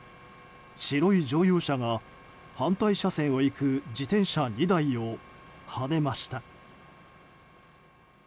白い乗用車が反対車線を行く自転車２台をはねました。